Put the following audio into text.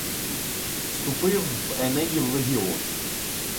Вступив в Енеїв легіон.